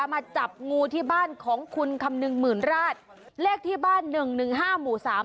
มาจับงูที่บ้านของคุณคำนึงหมื่นราชเลขที่บ้านหนึ่งหนึ่งห้าหมู่สาม